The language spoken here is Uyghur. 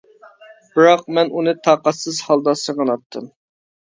بىراق مەن ئۇنى تاقەتسىز ھالدا سېغىناتتىم.